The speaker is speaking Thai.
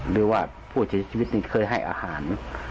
หรือว่าผู้เสียชีวิตนี่เคยให้อาหาร